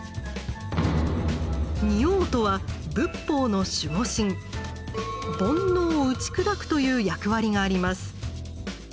「仁王」とは煩悩を打ち砕くという役割があります。